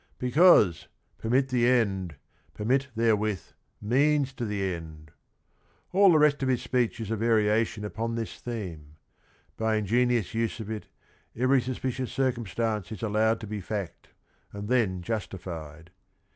"Becaus e, permit the end — per mit therewith, means jo the endj " All the rest of ^his speech is a variation upon this theme. By ingenious use of it every suspicious circumstance is allowed to be fact, and then justified.